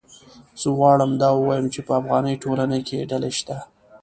زه غواړم دا ووایم چې په افغاني ټولنه کې ډلې شته